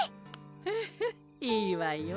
フフいいわよ